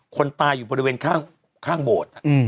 คนตายอยู่บริเวณข้างโบสถ์